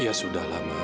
ya sudah lama